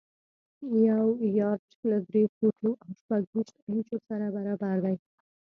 یو یارډ له درې فوټو او شپږ ویشت انچو سره برابر دی.